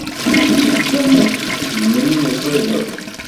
Tusem kan seg-m imi ay meẓẓiyed.